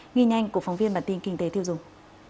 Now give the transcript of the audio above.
ghi nhanh của phóng viên bản tin kinh tế tiêu dùng